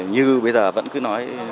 như bây giờ vẫn cứ nói